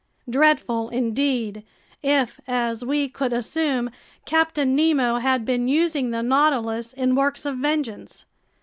Dreadful indeed, if, as we could assume, Captain Nemo had been using the Nautilus in works of vengeance!